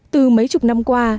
từ mấy chục năm qua